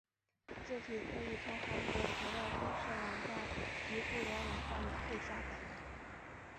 字体可以从韩国铁道公社网站及互联网上免费下载。